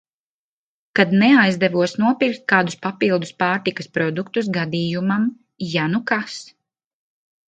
Kad neaizdevos nopirkt kādus papildus pārtikas produktus gadījumam, ja nu kas.